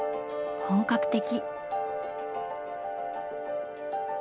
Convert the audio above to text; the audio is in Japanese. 本格的。